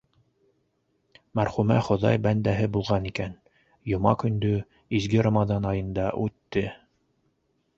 Мәрхүмә хоҙай бәндәһе булған икән, йома көндө, изге Рамаҙан айында үтте.